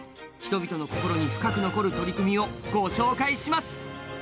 人々の心に深く残る取組をご紹介します。